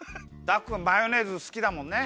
ダクくんマヨネーズすきだもんね？